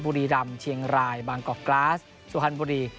บุรีรำเชียงรายบางกอกกราสสุพรรณบุรี